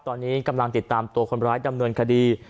ตอนนี้กำลังติดตามตัวคนร้ายดำเนินคดี